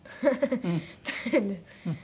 大変です。